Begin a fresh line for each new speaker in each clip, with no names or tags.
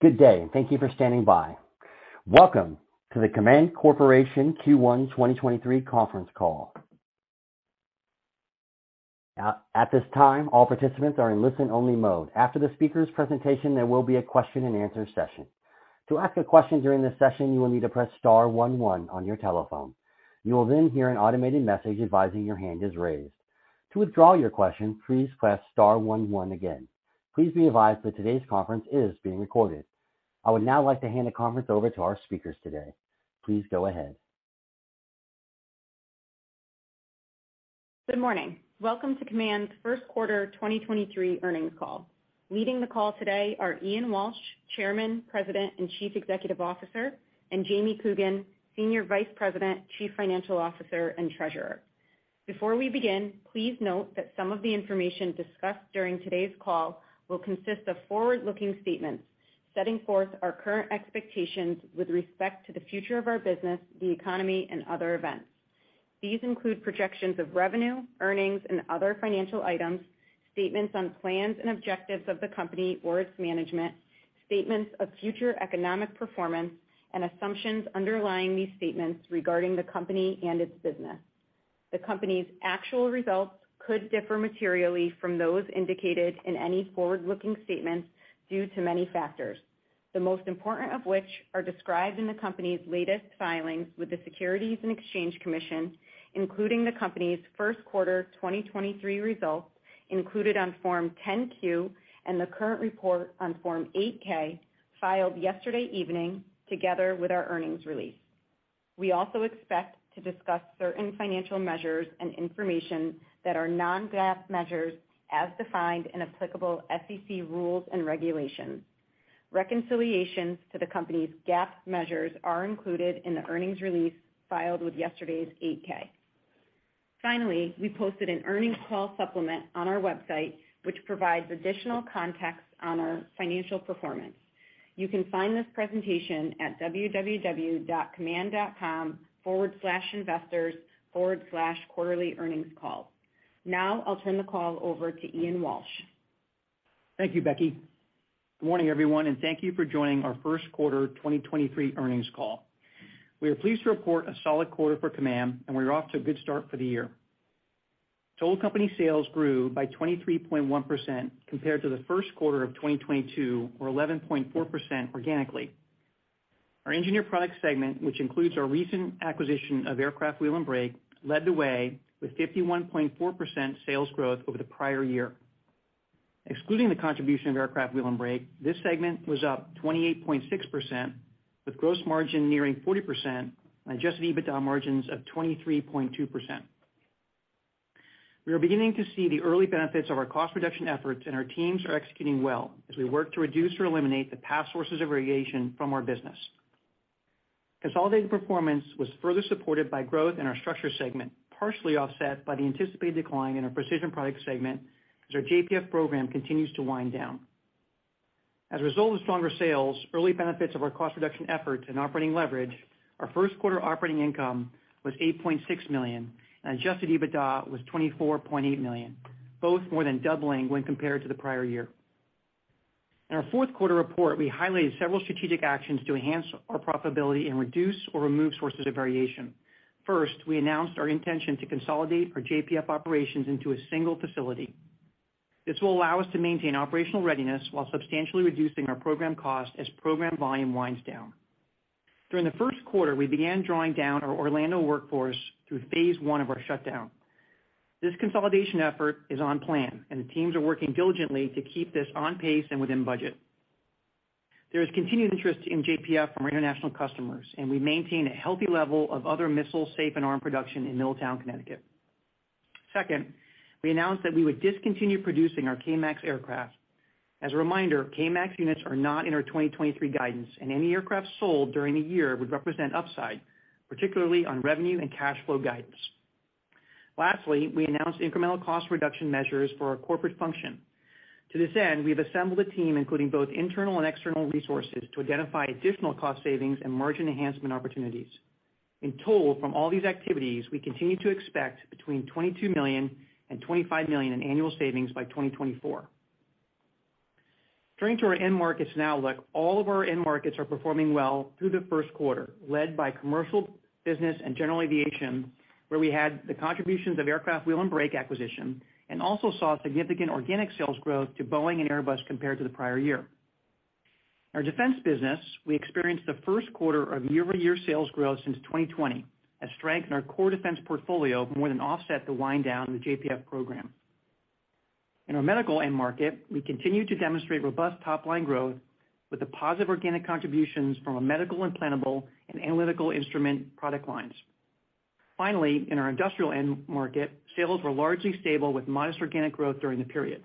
Good day, and thank you for standing by. Welcome to the Kaman Corporation Q1 2023 Conference Call. Now, at this time, all participants are in listen-only mode. After the speaker's presentation, there will be a question-and-answer session. To ask a question during this session, you will need to press star one one on your telephone. You will then hear an automated message advising your hand is raised. To withdraw your question, please press star one one again. Please be advised that today's conference is being recorded. I would now like to hand the conference over to our speakers today. Please go ahead.
Good morning. Welcome to Kaman's First Quarter 2023 Earnings Call. Leading the call today are Ian Walsh, Chairman, President, and Chief Executive Officer, and Jamie Coogan, Senior Vice President, Chief Financial Officer, and Treasurer. Before we begin, please note that some of the information discussed during today's call will consist of forward-looking statements setting forth our current expectations with respect to the future of our business, the economy, and other events. These include projections of revenue, earnings, and other financial items, statements on plans and objectives of the company or its management, statements of future economic performance, and assumptions underlying these statements regarding the company and its business. The company's actual results could differ materially from those indicated in any forward-looking statements due to many factors, the most important of which are described in the company's latest filings with the Securities and Exchange Commission, including the company's first quarter 2023 results included on Form 10-Q, and the current report on Form 8-K filed yesterday evening together with our earnings release. We also expect to discuss certain financial measures and information that are non-GAAP measures as defined in applicable SEC rules and regulations. Reconciliations to the company's GAAP measures are included in the earnings release filed with yesterday's 8-K. Finally, we posted an earnings call supplement on our website, which provides additional context on our financial performance. You can find this presentation at www.kaman.com/investors/quarterly-earnings-calls. Now I'll turn the call over to Ian Walsh.
Thank you, Becky. Good morning, everyone, and thank you for joining our first quarter 2023 earnings call. We are pleased to report a solid quarter for Kaman, and we're off to a good start for the year. Total company sales grew by 23.1% compared to the first quarter of 2022, or 11.4% organically. Our Engineered Products segment, which includes our recent acquisition of Aircraft Wheel & Brake, led the way with 51.4% sales growth over the prior year. Excluding the contribution of Aircraft Wheel & Brake, this segment was up 28.6% with gross margin nearing 40% on adjusted EBITDA margins of 23.2%. We are beginning to see the early benefits of our cost reduction efforts. Our teams are executing well as we work to reduce or eliminate the past sources of variation from our business. Consolidated performance was further supported by growth in our Structures segment, partially offset by the anticipated decline in our Precision Products segment as our JPF program continues to wind down. As a result of stronger sales, early benefits of our cost reduction efforts and operating leverage, our first quarter operating income was $8.6 million and adjusted EBITDA was $24.8 million, both more than doubling when compared to the prior year. In our fourth quarter report, we highlighted several strategic actions to enhance our profitability and reduce or remove sources of variation. First, we announced our intention to consolidate our JPF operations into a single facility. This will allow us to maintain operational readiness while substantially reducing our program cost as program volume winds down. During the first quarter, we began drawing down our Orlando workforce through phase I of our shutdown. This consolidation effort is on plan, and the teams are working diligently to keep this on pace and within budget. There is continued interest in JPF from our international customers, and we maintain a healthy level of other missile safe and arm production in Middletown, Connecticut. We announced that we would discontinue producing our K-MAX aircraft. As a reminder, K-MAX units are not in our 2023 guidance, and any aircraft sold during the year would represent upside, particularly on revenue and cash flow guidance. We announced incremental cost reduction measures for our corporate function. To this end, we have assembled a team, including both internal and external resources, to identify additional cost savings and margin enhancement opportunities. In total, from all these activities, we continue to expect between $22 million and $25 million in annual savings by 2024. Turning to our end markets now, look, all of our end markets are performing well through the first quarter, led by commercial business and general aviation, where we had the contributions of Aircraft Wheel & Brake acquisition and also saw significant organic sales growth to Boeing and Airbus compared to the prior year. In our defense business, we experienced the first quarter of year-over-year sales growth since 2020 as strength in our core defense portfolio more than offset the wind down in the JPF program. In our medical end market, we continue to demonstrate robust top-line growth with the positive organic contributions from our medical implantable and analytical instrument product lines. In our industrial end market, sales were largely stable with modest organic growth during the period.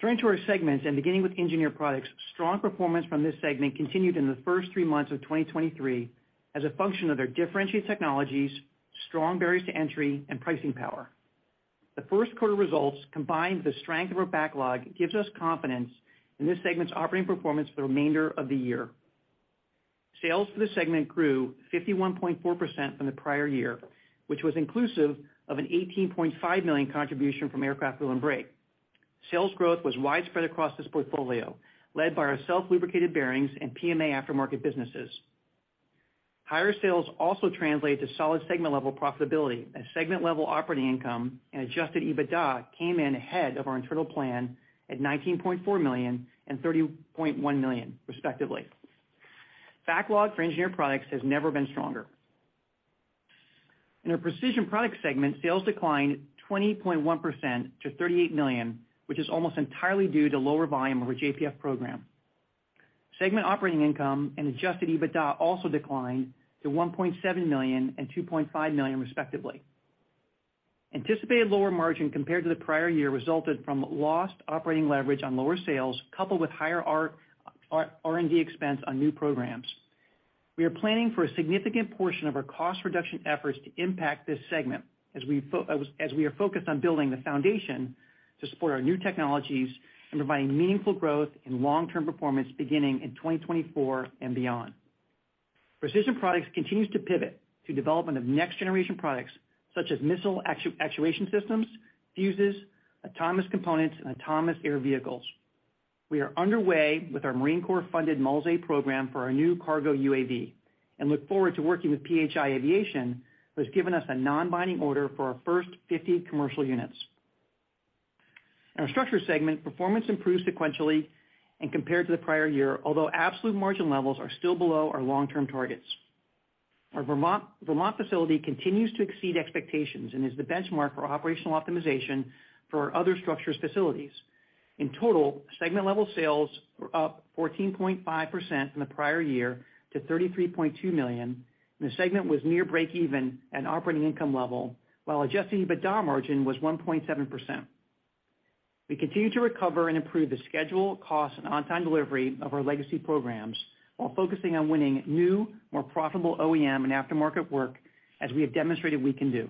Turning to our segments and beginning with Engineered Products, strong performance from this segment continued in the first three months of 2023 as a function of their differentiated technologies, strong barriers to entry, and pricing power. The first quarter results, combined with the strength of our backlog, gives us confidence in this segment's operating performance for the remainder of the year. Sales for the segment grew 51.4% from the prior year, which was inclusive of an $18.5 million contribution from Aircraft Wheel & Brake. Sales growth was widespread across this portfolio, led by our self-lubricating bearings and PMA aftermarket businesses. Higher sales also translate to solid segment level profitability and segment level operating income and adjusted EBITDA came in ahead of our internal plan at $19.4 million and $30.1 million respectively. Backlog for Engineered Products has never been stronger. In our Precision Products segment, sales declined 20.1% to $38 million, which is almost entirely due to lower volume of our JPF program. Segment operating income and adjusted EBITDA also declined to $1.7 million and $2.5 million, respectively. Anticipated lower margin compared to the prior year resulted from lost operating leverage on lower sales, coupled with higher R&D expense on new programs. We are planning for a significant portion of our cost reduction efforts to impact this segment as we are focused on building the foundation to support our new technologies and providing meaningful growth and long-term performance beginning in 2024 and beyond. Precision Products continues to pivot to development of next generation products such as missile actuation systems, fuses, autonomous components, and autonomous air vehicles. We are underway with our Marine Corps funded MULS-A program for our new KARGO UAV and look forward to working with PHI Aviation, who has given us a non-binding order for our first 50 commercial units. In our Structures segment, performance improved sequentially and compared to the prior year. Although absolute margin levels are still below our long-term targets. Our Vermont facility continues to exceed expectations and is the benchmark for operational optimization for our other structures facilities. In total, segment level sales were up 14.5% from the prior year to $33.2 million. The segment was near break even at operating income level while adjusted EBITDA margin was 1.7%. We continue to recover and improve the schedule, cost, and on-time delivery of our legacy programs while focusing on winning new, more profitable OEM and aftermarket work, as we have demonstrated we can do.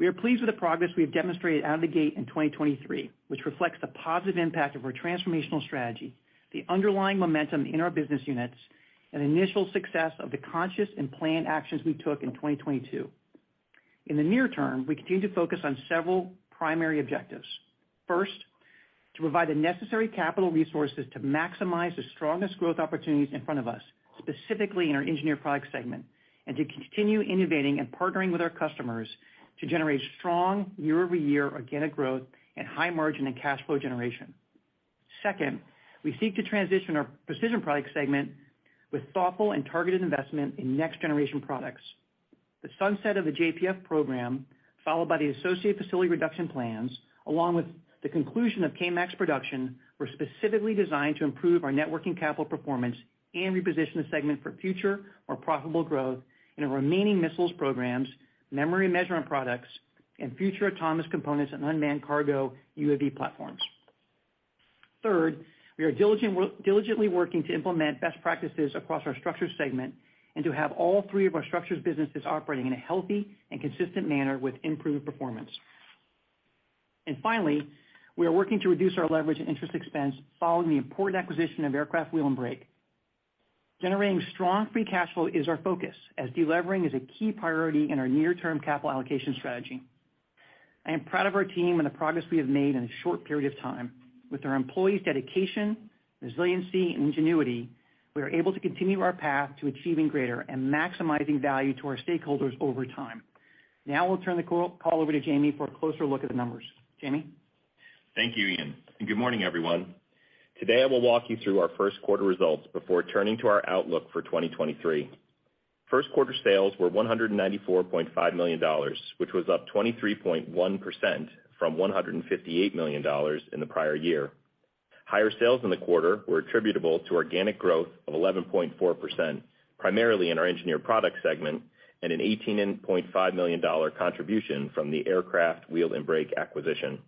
We are pleased with the progress we have demonstrated out of the gate in 2023, which reflects the positive impact of our transformational strategy, the underlying momentum in our business units, and the initial success of the conscious and planned actions we took in 2022. In the near term, we continue to focus on several primary objectives. First, to provide the necessary capital resources to maximize the strongest growth opportunities in front of us, specifically in our Engineered Products segment, and to continue innovating and partnering with our customers to generate strong year-over-year organic growth and high margin and cash flow generation. Second, we seek to transition our Precision Products segment with thoughtful and targeted investment in next-generation products. The sunset of the JPF program, followed by the associated facility reduction plans, along with the conclusion of K-MAX production, were specifically designed to improve our net working capital performance and reposition the segment for future, more profitable growth in our remaining missiles programs, Memory and Measuring products, and future autonomous components and unmanned KARGO UAV platforms. Third, we are diligently working to implement best practices across our Structures segment and to have all three of our Structures businesses operating in a healthy and consistent manner with improved performance. Finally, we are working to reduce our leverage and interest expense following the important acquisition of Aircraft Wheel & Brake. Generating strong free cash flow is our focus as delevering is a key priority in our near-term capital allocation strategy. I am proud of our team and the progress we have made in a short period of time. With our employees' dedication, resiliency, and ingenuity, we are able to continue our path to achieving greater and maximizing value to our stakeholders over time. Now I'll turn the call over to Jamie for a closer look at the numbers. Jamie?
Thank you, Ian, and good morning, everyone. Today, I will walk you through our first quarter results before turning to our outlook for 2023. First quarter sales were $194.5 million, which was up 23.1% from $158 million in the prior year. Higher sales in the quarter were attributable to organic growth of 11.4%, primarily in our Engineered Products segment, and an $18.5 million contribution from the Aircraft Wheel & Brake acquisition.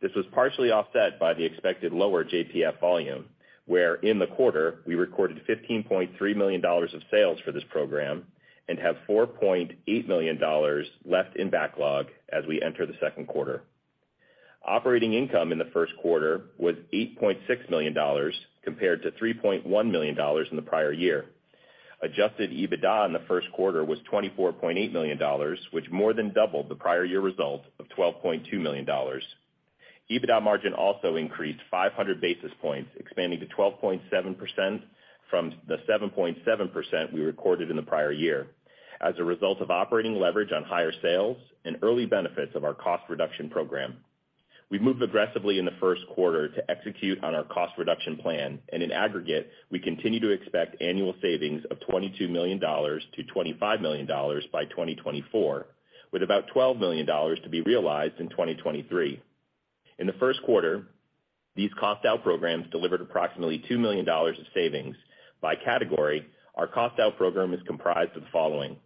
This was partially offset by the expected lower JPF volume, where in the quarter, we recorded $15.3 million of sales for this program and have $4.8 million left in backlog as we enter the second quarter. Operating income in the first quarter was $8.6 million compared to $3.1 million in the prior year. Adjusted EBITDA in the first quarter was $24.8 million, which more than doubled the prior year result of $12.2 million. EBITDA margin also increased 500 basis points, expanding to 12.7% from the 7.7% we recorded in the prior year as a result of operating leverage on higher sales and early benefits of our cost reduction program. We moved aggressively in the first quarter to execute on our cost reduction plan. In aggregate, we continue to expect annual savings of $22 million-$25 million by 2024, with about $12 million to be realized in 2023. In the first quarter, these cost out programs delivered approximately $2 million of savings. By category, our cost out program is comprised of the following,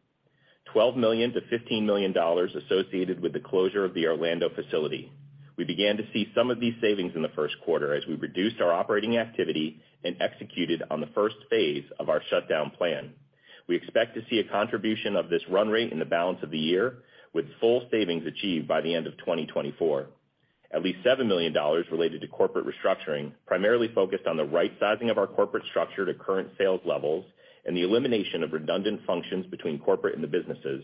$12 million-$15 million associated with the closure of the Orlando facility. We began to see some of these savings in the first quarter as we reduced our operating activity and executed on the first phase of our shutdown plan. We expect to see a contribution of this run rate in the balance of the year, with full savings achieved by the end of 2024. At least $7 million related to corporate restructuring, primarily focused on the right-sizing of our corporate structure to current sales levels and the elimination of redundant functions between corporate and the businesses.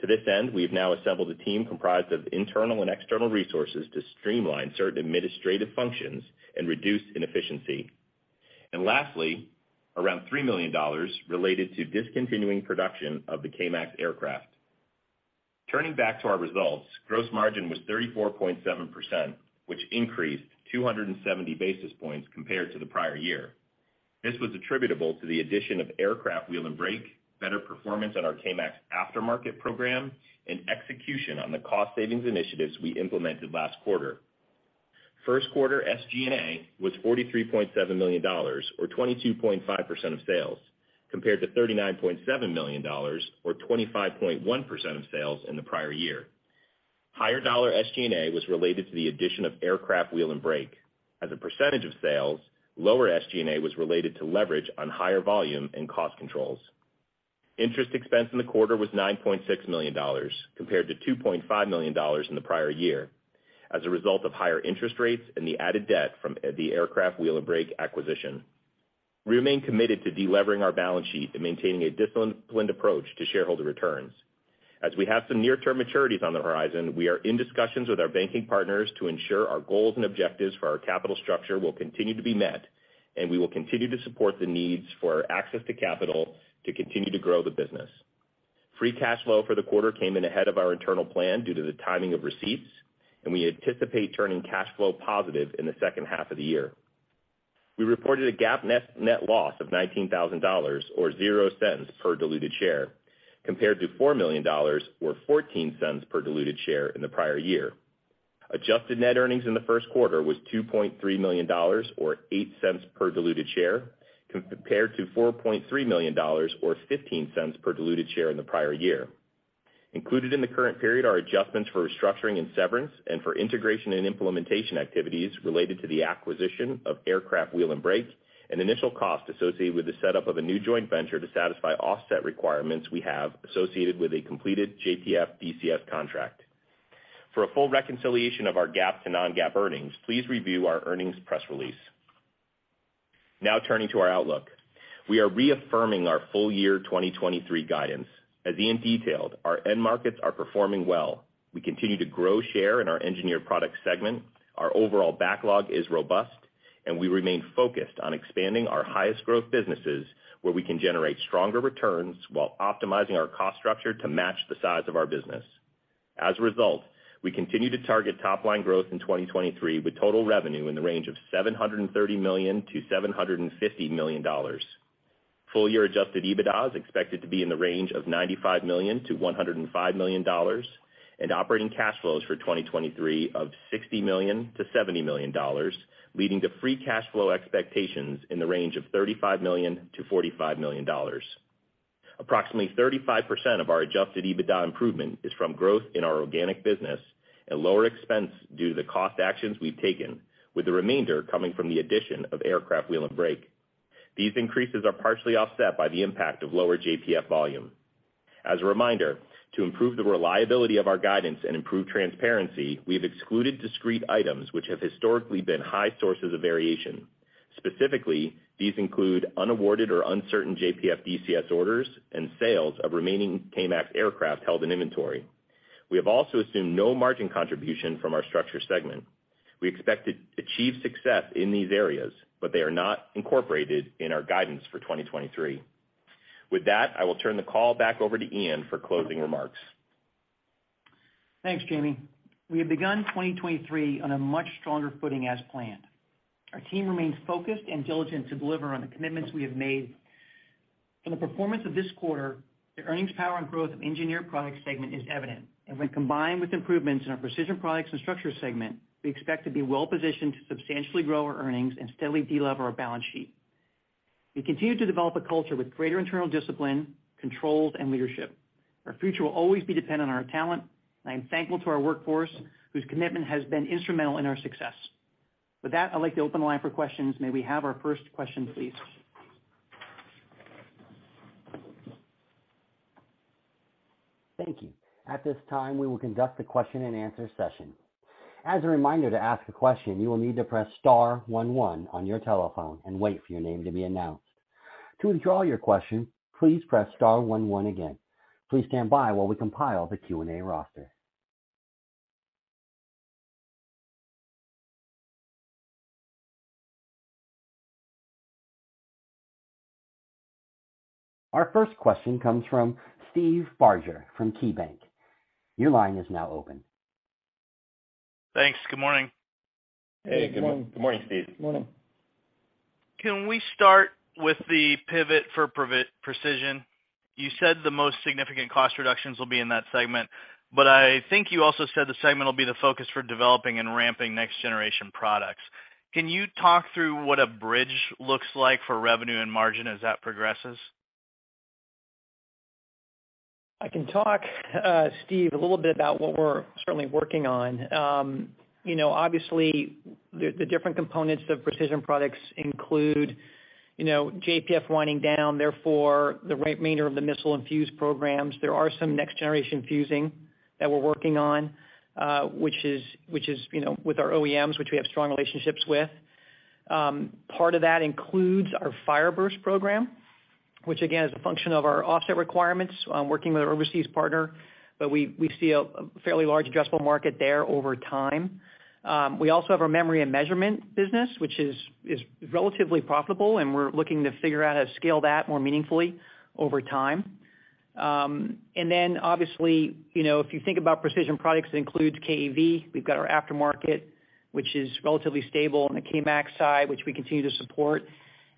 To this end, we have now assembled a team comprised of internal and external resources to streamline certain administrative functions and reduce inefficiency. Lastly, around $3 million related to discontinuing production of the K-MAX aircraft. Turning back to our results, gross margin was 34.7%, which increased 270 basis points compared to the prior year. This was attributable to the addition of Aircraft Wheel & Brake, better performance on our K-MAX aftermarket program, and execution on the cost savings initiatives we implemented last quarter. First quarter SG&A was $43.7 million, or 22.5% of sales, compared to $39.7 million or 25.1% of sales in the prior year. Higher dollar SG&A was related to the addition of Aircraft Wheel & Brake. As a percentage of sales, lower SG&A was related to leverage on higher volume and cost controls. Interest expense in the quarter was $9.6 million compared to $2.5 million in the prior year as a result of higher interest rates and the added debt from the Aircraft Wheel & Brake acquisition. We remain committed to delevering our balance sheet and maintaining a disciplined approach to shareholder returns. As we have some near term maturities on the horizon, we are in discussions with our banking partners to ensure our goals and objectives for our capital structure will continue to be met, and we will continue to support the needs for our access to capital to continue to grow the business. Free cash flow for the quarter came in ahead of our internal plan due to the timing of receipts, and we anticipate turning cash flow positive in the second half of the year. We reported a GAAP net loss of $19,000 or $0.00 per diluted share, compared to $4 million or $0.14 per diluted share in the prior year. Adjusted net earnings in the first quarter was $2.3 million or $0.08 per diluted share, compared to $4.3 million or $0.15 per diluted share in the prior year. Included in the current period are adjustments for restructuring and severance and for integration and implementation activities related to the acquisition of Aircraft Wheel & Brake and initial cost associated with the setup of a new joint venture to satisfy offset requirements we have associated with a completed JPF DCS contract. For a full reconciliation of our GAAP to non-GAAP earnings, please review our earnings press release. Turning to our outlook. We are reaffirming our full year 2023 guidance. As Ian detailed, our end markets are performing well. We continue to grow share in our Engineered Products segment. Our overall backlog is robust, and we remain focused on expanding our highest growth businesses where we can generate stronger returns while optimizing our cost structure to match the size of our business. As a result, we continue to target top line growth in 2023 with total revenue in the range of $730 million-$750 million. Full year adjusted EBITDA is expected to be in the range of $95 million-$105 million, and operating cash flows for 2023 of $60 million-$70 million, leading to free cash flow expectations in the range of $35 million-$45 million. Approximately 35% of our adjusted EBITDA improvement is from growth in our organic business and lower expense due to the cost actions we've taken, with the remainder coming from the addition of Aircraft Wheel & Brake. These increases are partially offset by the impact of lower JPF volume. As a reminder, to improve the reliability of our guidance and improve transparency, we have excluded discrete items which have historically been high sources of variation. Specifically, these include unawarded or uncertain JPF DCS orders and sales of remaining K-MAX aircraft held in inventory. We have also assumed no margin contribution from our structure segment. We expect to achieve success in these areas, but they are not incorporated in our guidance for 2023. With that, I will turn the call back over to Ian for closing remarks.
Thanks, Jamie. We have begun 2023 on a much stronger footing as planned. Our team remains focused and diligent to deliver on the commitments we have made. From the performance of this quarter, the earnings power and growth of Engineered Products segment is evident, and when combined with improvements in our Precision Products and Structures segment, we expect to be well positioned to substantially grow our earnings and steadily delever our balance sheet. We continue to develop a culture with greater internal discipline, controls and leadership. Our future will always be dependent on our talent, and I am thankful to our workforce whose commitment has been instrumental in our success. With that, I'd like to open the line for questions. May we have our first question please?
Thank you. At this time, we will conduct a question and answer session. As a reminder to ask a question, you will need to press star one one on your telephone and wait for your name to be announced. To withdraw your question, please press star one one again. Please stand by while we compile the Q&A roster. Our first question comes from Steve Barger from KeyBanc. Your line is now open.
Thanks. Good morning.
Hey, good morning.
Good morning, Steve.
Morning.Can we start with the pivot for Precision Products? You said the most significant cost reductions will be in that segment, I think you also said the segment will be the focus for developing and ramping next generation products. Can you talk through what a bridge looks like for revenue and margin as that progresses?
I can talk, Steve, a little bit about what we're certainly working on. You know, obviously, the different components of Precision Products include, you know, JPF winding down, therefore, the remainder of the missile and fuse programs. There are some next generation fusing that we're working on, which is, you know, with our OEMs, which we have strong relationships with. Part of that includes our FireBurst program, which again, is a function of our offset requirements, working with an overseas partner. We see a fairly large addressable market there over time. We also have our Memory and Measuring business, which is relatively profitable, and we're looking to figure out how to scale that more meaningfully over time. Obviously, you know, if you think about Precision Products, it includes KEV. We've got our aftermarket, which is relatively stable on the K-MAX side, which we continue to support.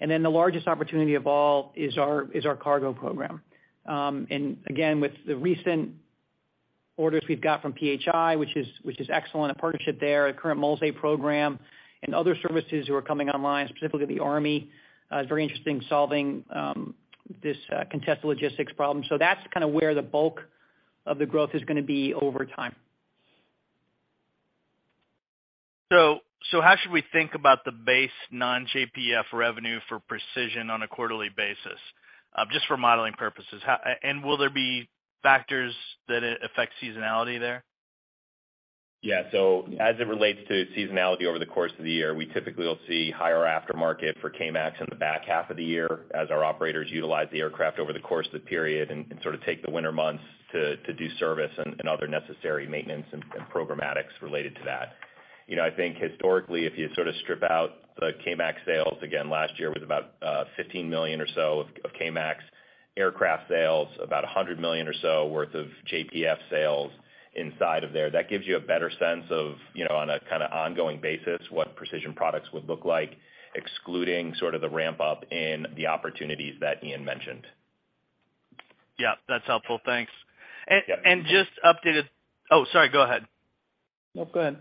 The largest opportunity of all is our cargo program. With the recent orders we've got from PHI, which is excellent, a partnership there, a current MULS-A program and other services who are coming online, specifically the Army, is very interested in solving this contested logistics problem. That's kind of where the bulk of the growth is gonna be over time.
How should we think about the base non-JPF revenue for Precision on a quarterly basis, just for modeling purposes? And will there be factors that affect seasonality there?
Yeah. As it relates to seasonality over the course of the year, we typically will see higher aftermarket for K-MAX in the back half of the year as our operators utilize the aircraft over the course of the period and sort of take the winter months to do service and other necessary maintenance and programmatics related to that. You know, I think historically, if you sort of strip out the K-MAX sales, again, last year was about $15 million or so of K-MAX aircraft sales, about $100 million or so worth of JPF sales inside of there. That gives you a better sense of, you know, on a kind of ongoing basis, what Precision Products would look like, excluding sort of the ramp up in the opportunities that Ian mentioned.
Yeah, that's helpful. Thanks.
Yeah.
Just updated, oh, sorry, go ahead.
No, go ahead.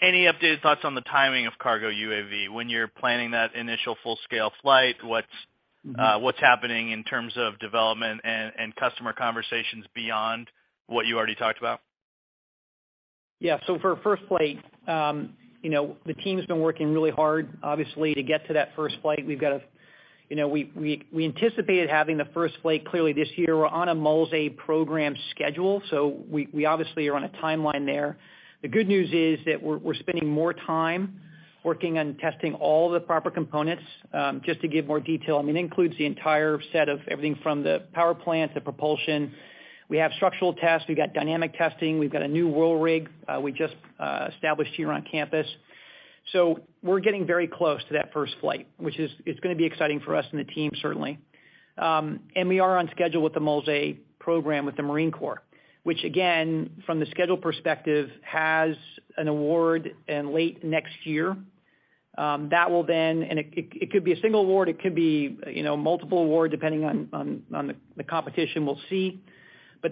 Any updated thoughts on the timing of KARGO UAV? When you're planning that initial full-scale flight, what's happening in terms of development and customer conversations beyond what you already talked about?
Yeah. For first flight, you know, the team's been working really hard, obviously, to get to that first flight. You know, we anticipated having the first flight clearly this year. We're on a MULS-A program schedule. We obviously are on a timeline there. The good news is that we're spending more time working on testing all the proper components, just to give more detail. I mean, it includes the entire set of everything from the power plant to propulsion. We have structural tests. We've got dynamic testing. We've got a new roll rig we just established here on campus. We're getting very close to that first flight, which is, it's gonna be exciting for us and the team, certainly. We are on schedule with the MULS-A program with the Marine Corps, which again, from the schedule perspective, has an award in late next year. That will then. It could be a single award, it could be, you know, multiple award, depending on the competition. We'll see.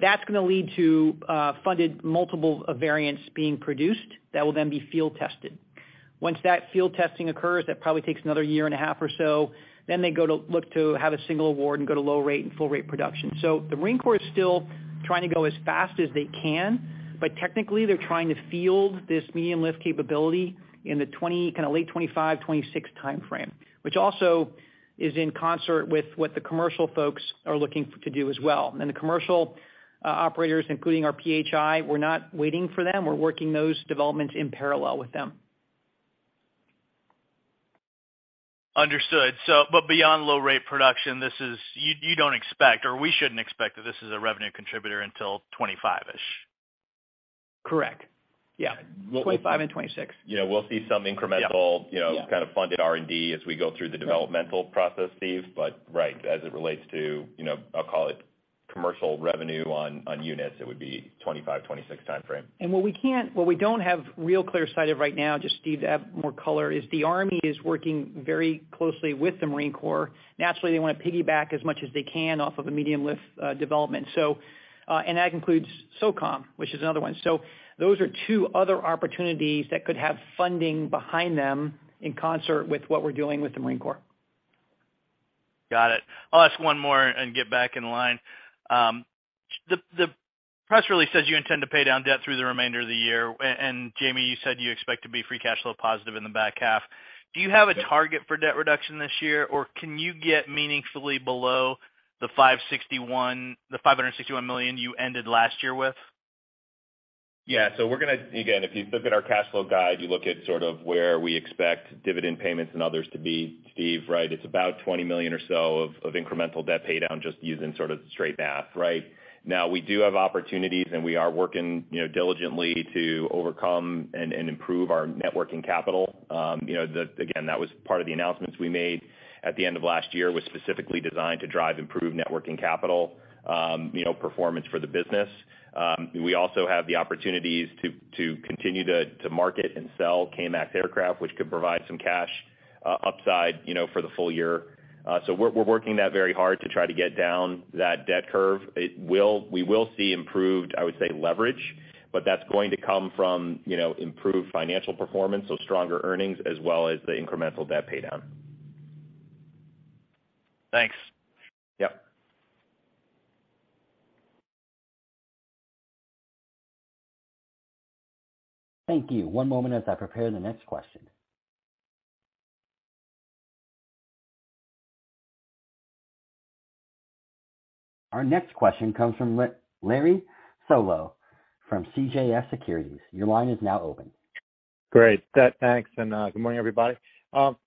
That's gonna lead to funded multiple variants being produced that will then be field tested. Once that field testing occurs, that probably takes another year and a half or so, they go to look to have a single award and go to low rate and full rate production. The Marine Corps is still trying to go as fast as they can, but technically they're trying to field this medium-lift capability in the 2020, kinda late 2025, 2026 timeframe, which also is in concert with what the commercial folks are looking to do as well. The commercial operators, including our PHI, we're not waiting for them. We're working those developments in parallel with them.
Understood. beyond low rate production, you don't expect, or we shouldn't expect that this is a revenue contributor until 25-ish?
Correct. Yeah. 2025 and 2026.
You know, we'll see some.
Yeah.
You know, kind of funded R&D as we go through the developmental process, Steve. Right, as it relates to, you know, I'll call it commercial revenue on units, it would be 2025, 2026 timeframe.
What we don't have real clear sight of right now, just Steve Barger, to add more color, is the Army is working very closely with the Marine Corps. Naturally, they wanna piggyback as much as they can off of a medium-lift development. That includes SOCOM, which is another one. Those are two other opportunities that could have funding behind them in concert with what we're doing with the Marine Corps.
Got it. I'll ask one more and get back in line. The press release says you intend to pay down debt through the remainder of the year. Jamie, you said you expect to be free cash flow positive in the back half. Do you have a target for debt reduction this year, or can you get meaningfully below the $561 million you ended last year with?
Yeah. Again, if you look at our cash flow guide, you look at sort of where we expect dividend payments and others to be, Steve, right? It's about $20 million or so of incremental debt pay down just using sort of straight math, right? Now, we do have opportunities, and we are working, you know, diligently to overcome and improve our net working capital. You know, again, that was part of the announcements we made at the end of last year, was specifically designed to drive improved net working capital, you know, performance for the business. We also have the opportunities to continue to market and sell K-MAX aircraft, which could provide some cash upside, you know, for the full year. We're working that very hard to try to get down that debt curve. We will see improved, I would say, leverage, but that's going to come from, you know, improved financial performance, so stronger earnings, as well as the incremental debt pay down.
Thanks.
Yeah.
Thank you. One moment as I prepare the next question. Our next question comes from Larry Solow from CJS Securities. Your line is now open.
Great. Stath, thanks, and good morning, everybody.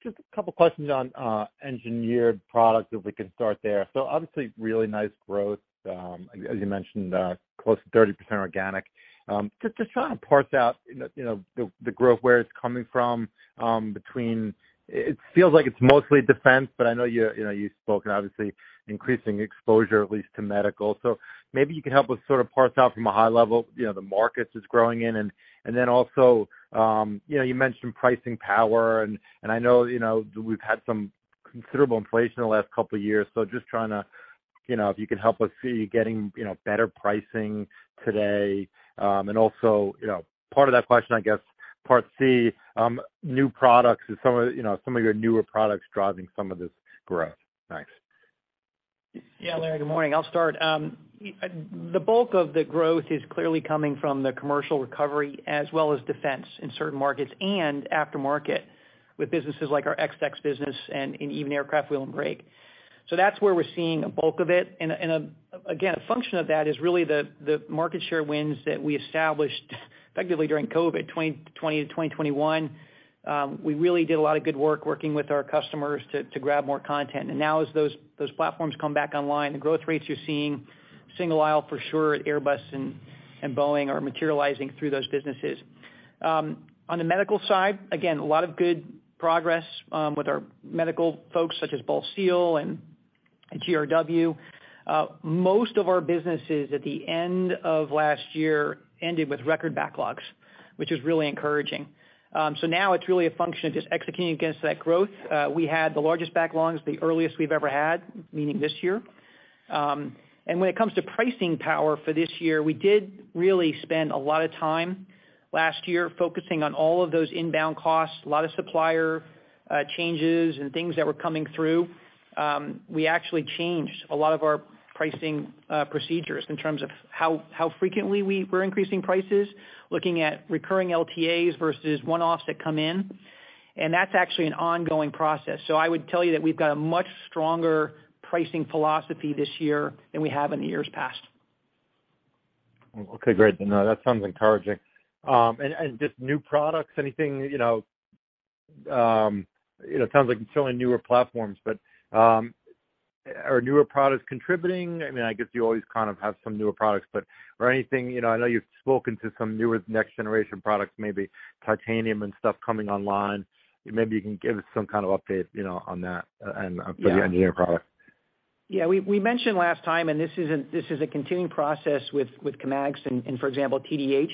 Just a couple questions on Engineered Products, if we can start there. Obviously really nice growth, as you mentioned, close to 30% organic. Just trying to parse out, you know, the growth, where it's coming from, between, it feels like it's mostly defense, but I know you know, you've spoken obviously increasing exposure at least to medical. Maybe you can help us sort of parse out from a high level, you know, the markets it's growing in. Then also, you know, you mentioned pricing power and I know, you know, we've had some considerable inflation in the last couple of years, so just trying to, you know, if you could help us see getting, you know, better pricing today. Also, you know, part of that question, I guess, part C, new products. Is some of, you know, some of your newer products driving some of this growth? Thanks.
Yeah. Larry Solow, good morning. I'll start. The bulk of the growth is clearly coming from the commercial recovery as well as defense in certain markets and aftermarket with businesses like our EXTEX business and even Aircraft Wheel & Brake. That's where we're seeing a bulk of it. Again, a function of that is really the market share wins that we established effectively during COVID, 20 to 2021. We really did a lot of good work working with our customers to grab more content. Now as those platforms come back online, the growth rates you're seeing single aisle for sure at Airbus and Boeing are materializing through those businesses. On the medical side, again, a lot of good progress with our medical folks such as Bal Seal and GRW. Most of our businesses at the end of last year ended with record backlogs, which is really encouraging. So now it's really a function of just executing against that growth. We had the largest backlogs, the earliest we've ever had, meaning this year. And when it comes to pricing power for this year, we did really spend a lot of time last year focusing on all of those inbound costs, a lot of supplier changes and things that were coming through. We actually changed a lot of our pricing procedures in terms of how frequently we were increasing prices, looking at recurring LTAs versus one-offs that come in. That's actually an ongoing process. I would tell you that we've got a much stronger pricing philosophy this year than we have in years past.
Okay, great. No, that sounds encouraging. Just new products, anything, you know, it sounds like you're selling newer platforms, but are newer products contributing? I mean, I guess you always kind of have some newer products, but or anything, you know, I know you've spoken to some newer next generation products, maybe titanium and stuff coming online. Maybe you can give us some kind of update, you know, on that and for the Engineered Products.
Yeah. We mentioned last time, and this is a continuing process with Kamatics and for example, TDH.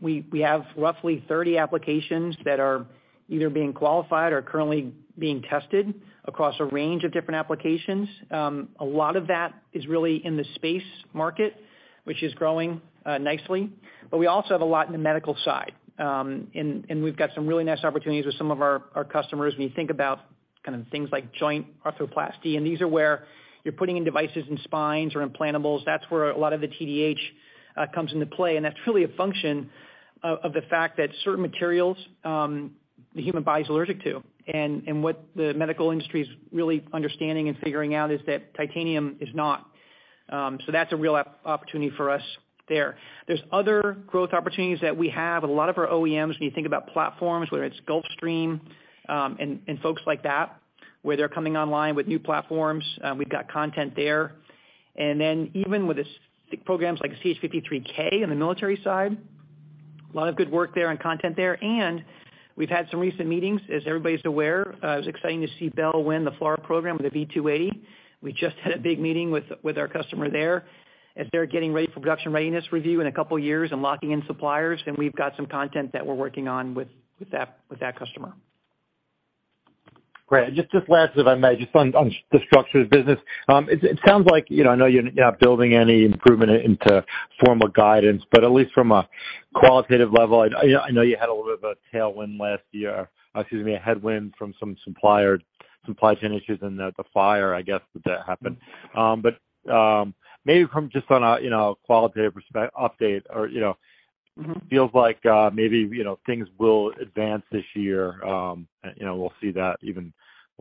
We have roughly 30 applications that are either being qualified or currently being tested across a range of different applications. A lot of that is really in the space market, which is growing nicely. We also have a lot in the medical side, and we've got some really nice opportunities with some of our customers when you think about kind of things like joint arthroplasty, and these are where you're putting in devices in spines or implantables. That's where a lot of the TDH comes into play. That's really a function of the fact that certain materials, the human body is allergic to. What the medical industry is really understanding and figuring out is that titanium is not. That's a real opportunity for us there. There's other growth opportunities that we have. A lot of our OEMs, when you think about platforms, whether it's Gulfstream, and folks like that, where they're coming online with new platforms, we've got content there. Even with the programs like CH-53K on the military side, a lot of good work there and content there. We've had some recent meetings, as everybody's aware. It was exciting to see Bell win the FLRAA program with the V-280. We just had a big meeting with our customer there as they're getting ready for production readiness review in a couple years and locking in suppliers. We've got some content that we're working on with that customer.
Great. Just last, if I may, just on the Structures business. It sounds like, you know, I know you're not building any improvement into formal guidance, but at least from a qualitative level, I know you had a little bit of a tailwind last year. Excuse me, a headwind from some supplier, supply chain issues and the fire, I guess that happened. Maybe from just on a, you know, a qualitative update or, you know.
Mm-hmm.
Feels like, maybe, you know, things will advance this year. You know, we'll see that even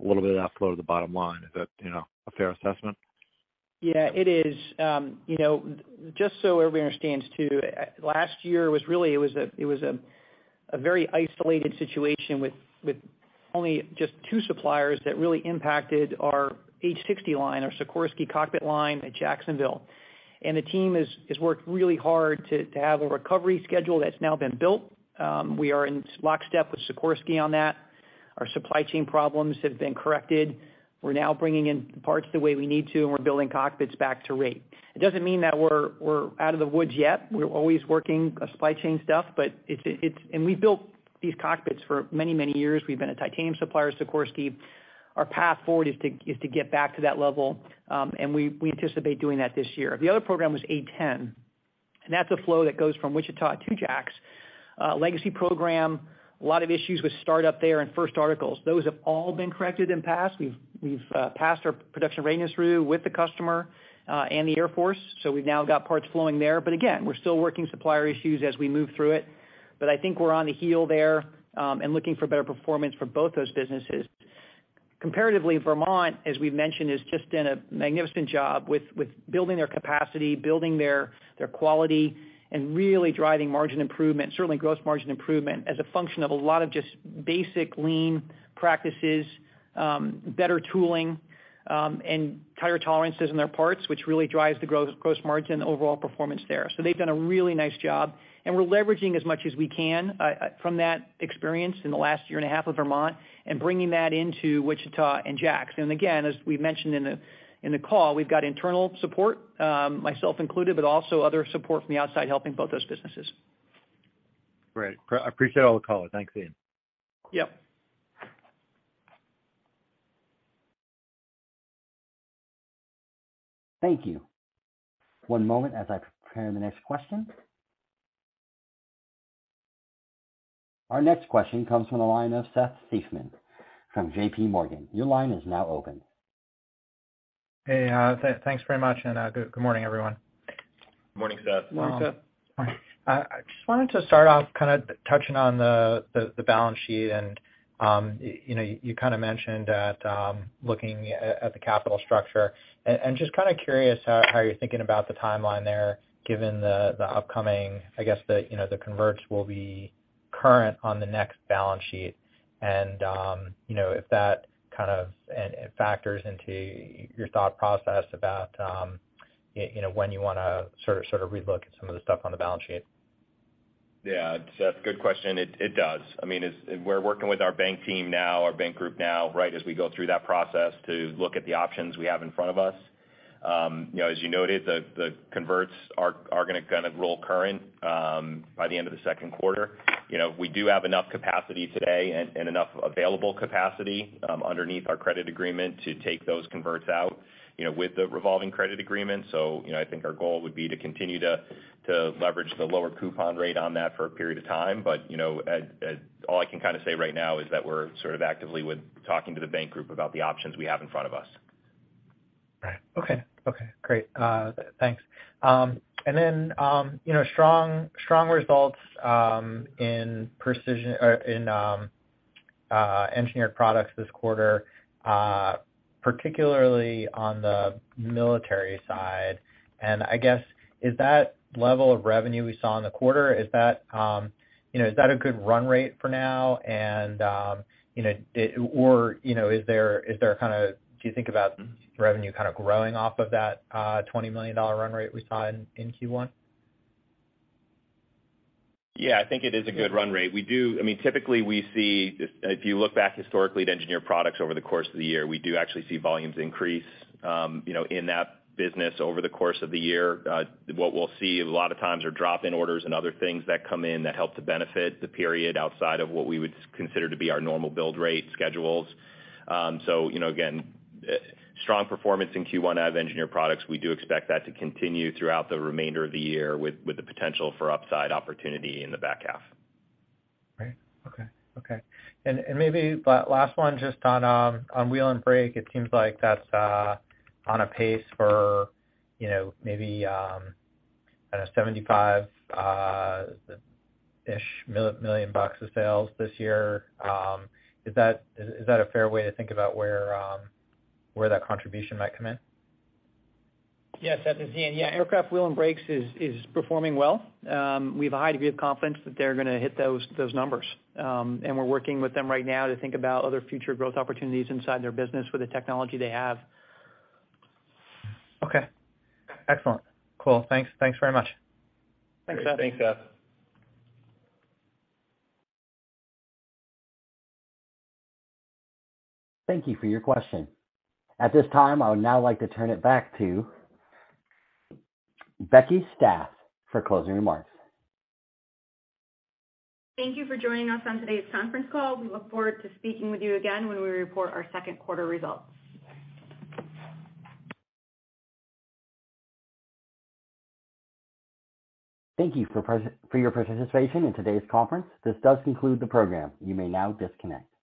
a little bit of that flow to the bottom line. Is that, you know, a fair assessment?
Yeah, it is. You know, just so everybody understands, too, last year was really, it was a very isolated situation with only just two suppliers that really impacted our H-60 line, our Sikorsky cockpit line at Jacksonville. The team has worked really hard to have a recovery schedule that's now been built. We are in lockstep with Sikorsky on that. Our supply chain problems have been corrected. We're now bringing in parts the way we need to, we're building cockpits back to rate. It doesn't mean that we're out of the woods yet. We're always working supply chain stuff. We've built these cockpits for many, many years. We've been a titanium supplier to Sikorsky. Our path forward is to get back to that level, and we anticipate doing that this year. The other program was A-10. That's a flow that goes from Wichita to Jacksonville, legacy program. A lot of issues with start up there and first articles. Those have all been corrected and passed. We've passed our production readiness review with the customer and the Air Force, so we've now got parts flowing there. Again, we're still working supplier issues as we move through it. I think we're on the heel there, and looking for better performance for both those businesses. Comparatively, Vermont, as we've mentioned, has just done a magnificent job with building their capacity, building their quality and really driving margin improvement, certainly gross margin improvement as a function of a lot of just basic lean practices, better tooling, and higher tolerances in their parts, which really drives the gross margin and overall performance there. They've done a really nice job, and we're leveraging as much as we can from that experience in the last year and a half of Vermont and bringing that into Wichita and Jacksonville. Again, as we've mentioned in the call, we've got internal support, myself included, but also other support from the outside, helping both those businesses.
Great. Appreciate all the color. Thanks, Ian.
Yep.
Thank you. One moment as I prepare the next question. Our next question comes from the line of Seth Seifman from JPMorgan. Your line is now open.
Hey, thanks very much. Good morning, everyone.
Morning, Seth.
Morning, Seth.
I just wanted to start off kind of touching on the balance sheet and, you know, you kind of mentioned that, looking at the capital structure and just kind of curious how you're thinking about the timeline there, given the upcoming, I guess the, you know, the converts will be current on the next balance sheet. You know, if that kind of, and it factors into your thought process about, you know, when you wanna sort of relook at some of the stuff on the balance sheet.
Yeah. Seth, good question. It does. I mean, we're working with our bank team now, our bank group now, right as we go through that process to look at the options we have in front of us. You know, as you noted, the converts are gonna kind of roll current by the end of the second quarter. You know, we do have enough capacity today and enough available capacity underneath our credit agreement to take those converts out, you know, with the revolving credit agreement. You know, I think our goal would be to continue to leverage the lower coupon rate on that for a period of time. You know, all I can kind of say right now is that we're sort of actively with talking to the bank group about the options we have in front of us.
Right. Okay. Okay, great. Thanks. You know, strong results, in Precision or in Engineered Products this quarter, particularly on the military side. I guess, is that level of revenue we saw in the quarter, is that, you know, is that a good run rate for now? You know, Or, you know, is there kind of, do you think about revenue kind of growing off of that, $20 million run rate we saw in Q1?
Yeah, I think it is a good run rate. We do. I mean, typically we see if you look back historically at Engineered Products over the course of the year, we do actually see volumes increase, you know, in that business over the course of the year. What we'll see a lot of times are drop-in orders and other things that come in that help to benefit the period outside of what we would consider to be our normal build rate schedules. You know, again, strong performance in Q1 of Engineered Products. We do expect that to continue throughout the remainder of the year with the potential for upside opportunity in the back half.
Great. Okay. Okay. Maybe last one just on Wheel and Brake, it seems like that's on a pace for, you know, maybe, I don't know, $75 ish million of sales this year. Is that a fair way to think about where that contribution might come in?
Seth, this is Ian. Yeah, Aircraft Wheel & Brake is performing well. We have a high degree of confidence that they're gonna hit those numbers. We're working with them right now to think about other future growth opportunities inside their business with the technology they have.
Okay. Excellent. Cool. Thanks. Thanks very much.
Thanks, Seth.
Great. Thanks, Seth.
Thank you for your question. At this time, I would now like to turn it back to Becky Stath for closing remarks.
Thank you for joining us on today's conference call. We look forward to speaking with you again when we report our second quarter results.
Thank you for your participation in today's conference. This does conclude the program. You may now disconnect.